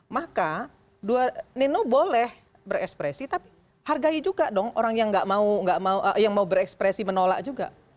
maka dua nino boleh berekspresi tapi hargai juga dong orang yang mau berekspresi menolak juga